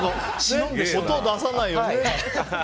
音を出さないようにね。